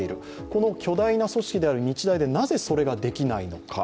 この巨大な組織である日大で、なぜそれができないのか。